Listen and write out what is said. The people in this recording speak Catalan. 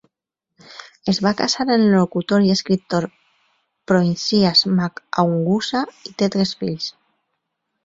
Es va casar amb el locutor i escriptor Proinsias Mac Aonghusa i té tres fills.